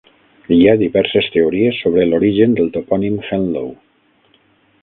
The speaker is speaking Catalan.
Hi ha diverses teories sobre l'origen del topònim Henlow.